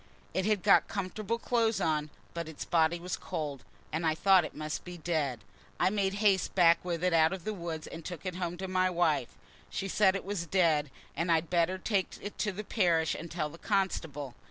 It had got comfortable clothes on, but its body was cold, and I thought it must be dead. I made haste back with it out of the wood, and took it home to my wife. She said it was dead, and I'd better take it to the parish and tell the constable.